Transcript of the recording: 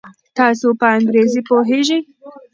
تاسو په انګریزي پوهیږئ؟